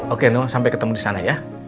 oke no sampai ketemu di sana ya